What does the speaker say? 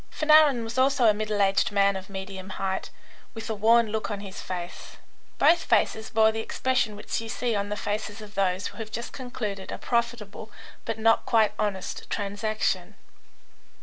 Fanarin was also a middle aged man of medium height, with a worn look on his face. Both faces bore the expression which you see on the faces of those who have just concluded a profitable but not quite honest transaction.